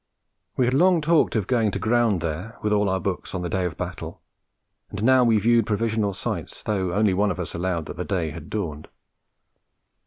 We had long talked of going to ground there, with all our books, in the day of battle; and now we viewed provisional sites, though only one of us allowed that the day had dawned.